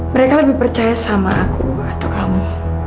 mereka lebih percaya sama aku atau kamu